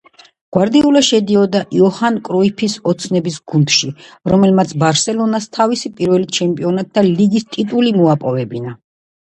გვარდიოლა შედიოდა იოჰან კრუიფის „ოცნების გუნდში“, რომელმაც „ბარსელონას“ თავისი პირველი ჩემპიონთა ლიგის ტიტული მოაპოვებინა.